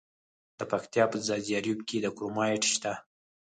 د پکتیا په ځاځي اریوب کې کرومایټ شته.